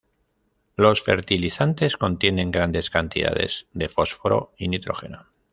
Los fertilizantes contienen grandes cantidades de fósforo y nitrógeno.